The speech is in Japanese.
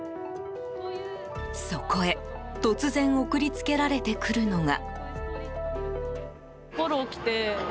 そこへ、突然送りつけられてくるのが。